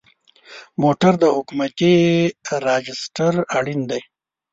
موټر د حکومتي راجسټر اړین دی.